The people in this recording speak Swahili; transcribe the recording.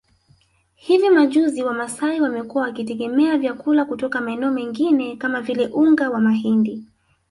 Hivi majuzi Wamasai wamekuwa wakitegemea vyakula kutoka maeneo mengine kama vile unga wa mahindi